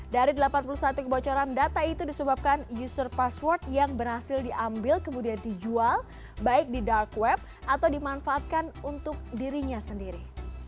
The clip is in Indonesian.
dari delapan puluh satu kebocoran data itu disebabkan user password yang berhasil diambil kemudian dijual baik di dark web atau dimanfaatkan untuk dirinya sendiri